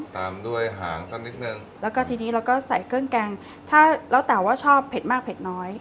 ตามด้วยหางสักนิดนึงแล้วก็ทีนี้เราก็ใส่เครื่องแกงถ้าแล้วแต่ว่าชอบเผ็ดมากเผ็ดน้อย